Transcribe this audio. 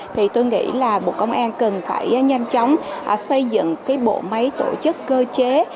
thì tôi nghĩ là bộ công an cần phải nhanh chóng xây dựng cái bộ máy tổ chức cơ chế